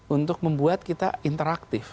untuk membuat kita interaktif